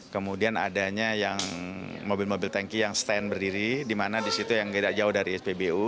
kemudian adanya yang mobil mobil tanki yang stand berdiri di mana di situ yang tidak jauh dari spbu